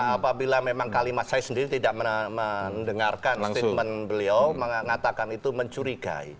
apabila memang kalimat saya sendiri tidak mendengarkan statement beliau mengatakan itu mencurigai